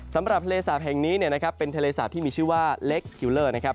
สำหรับทะเลสาปแห่งนี้เนี่ยนะครับเป็นทะเลสาปที่มีชื่อว่าเล็กคิวเลอร์นะครับ